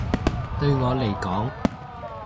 對我嚟講